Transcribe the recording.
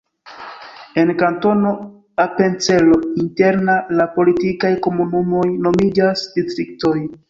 En Kantono Apencelo Interna la politikaj komunumoj nomiĝas distriktoj.